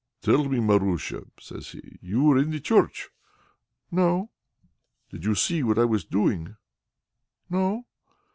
"Tell me, Marusia," says he, "were you in the church?" "No." "Did you see what I was doing?" "No."